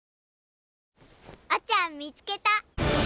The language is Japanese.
おちゃん見つけた！